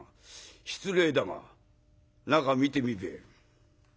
失礼だが中見てみべえ。